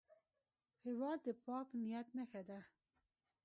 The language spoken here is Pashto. هېواد د پاک نیت نښه ده.